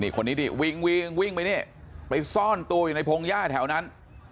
คนนี้ดิวิ่งวิ่งไปนี่ไปซ่อนตัวอยู่ในพงหญ้าแถวนั้น